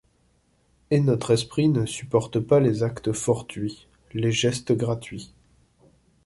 Et notre esprit ne supporte pas les actes fortuits, les gestes gratuits.